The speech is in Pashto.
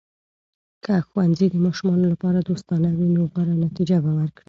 که ښوونځي د ماشومانو لپاره دوستانه وي، نو غوره نتیجه به ورکړي.